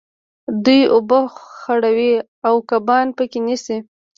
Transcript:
دوی اوبه خړوي او کبان په کې نیسي.